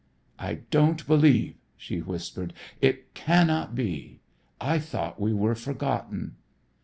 "I didn't believe," she whispered; "it cannot be. I thought we were forgotten."